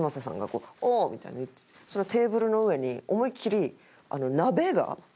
そのテーブルの上に思いっきり鍋がもう出来上がっててん。